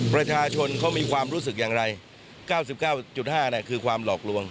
ประชาชนเขามีความรู้สึกอย่างไร๙๙๕คือความหลอกลวง